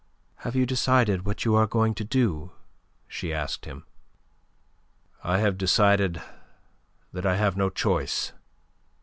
"Have you decided what you are going to do?" she asked him. "I have decided that I have no choice.